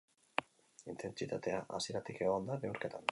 Intentsitatea hasieratik egon da neurketan.